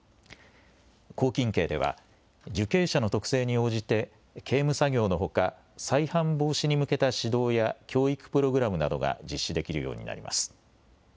拘禁刑では、受刑者の特性に応じて刑務作業のほか、再犯防止に向けた指導や、教育プログラムなどが実施できるようになります。